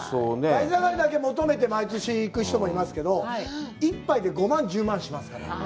間人ガニだけ求めて毎年、行く人もいますけど、１杯で５万１０万しますから。